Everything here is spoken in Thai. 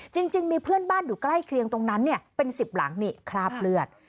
จริงมีเพื่อนบ้านอยู่ใกล้เคียงตรงนั้นเนี่ยเป็น๑๐หลังนี่คราบเลือด